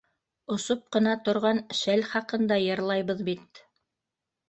Осоп ҡына торған шәл хаҡында йырлайбыҙ бит!